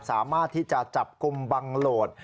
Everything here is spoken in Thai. สามารถที่จะจับกลุ่มบังโหลด